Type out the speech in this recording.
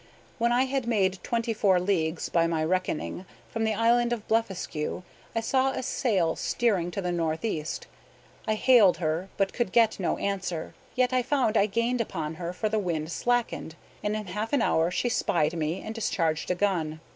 When I had made twenty four leagues, by my reckoning, from the island of Blefuscu, I saw a sail steering to the northeast. I hailed her, but could get no answer; yet I found I gained upon her, for the wind slackened; and in half an hour she spied me, and discharged a gun.